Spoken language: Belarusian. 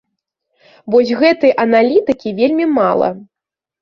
Вось гэтай аналітыкі вельмі мала.